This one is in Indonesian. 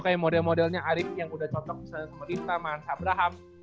kayak model modelnya arief yang udah contoh sama rita sama sabraham